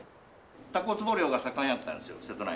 たこつぼ漁が盛んやったんですよ瀬戸内海。